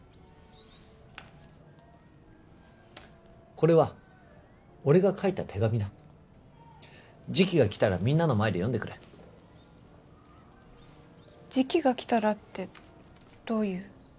これは俺が書いた手紙だ時期が来たらみんなの前で読んでくれ時期が来たらってどういう？